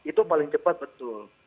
itu paling cepat betul